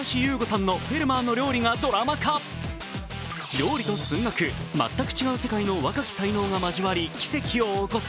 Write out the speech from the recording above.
料理と数学、全く違う世界の若き才能が交わり、奇跡を起こす。